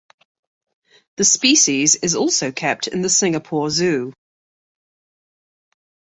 The species is also kept in the Singapore Zoo.